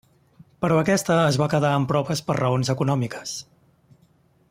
Però aquesta es va quedar en proves per raons econòmiques.